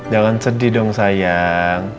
jangan sedih dong sayang